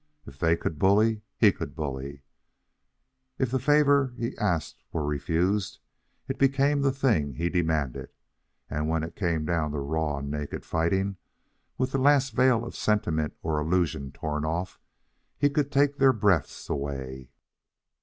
If they could bully, he could bully. If the favor he asked were refused, it became the thing he demanded. And when it came down to raw and naked fighting, with the last veil of sentiment or illusion torn off, he could take their breaths away.